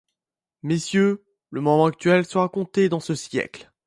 Messieurs, le moment actuel sera compté dans ce siècle.